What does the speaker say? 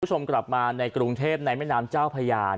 คุณผู้ชมกลับมาในกรุงเทพในแม่น้ำเจ้าพญา